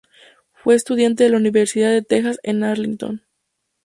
Fue estudiante de la Universidad de Texas en Arlington.